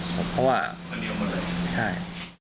เพราะว่าใช่